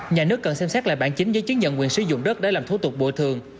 nhà nước cần xem xét lại bản chính giấy chứng nhận quyền sử dụng đất để làm thủ tục bồi thường